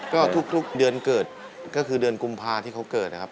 ก็ทุกเดือนเกิดก็คือเดือนกุมภาที่เขาเกิดนะครับ